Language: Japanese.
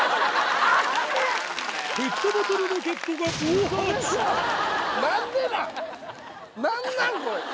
ペットボトルロケットが暴発うそでしょ？